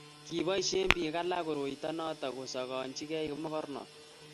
kiboisie biik alak koroito noto kosakanjigei mokornot